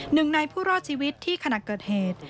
หนึ่งในผู้รอดชีวิตที่ขณะเกิดเหตุ